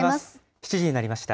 ７時になりました。